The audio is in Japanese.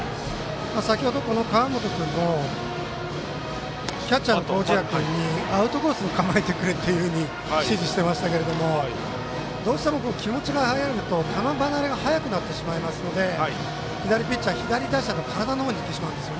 先ほど、川本君もキャッチャーの麹家君にアウトコースに構えてくれというふうに指示していましたけどどうしても、気持ちが早いと球離れが早くなってしまうので左ピッチャー左打者の体のほうにいってしまうんです。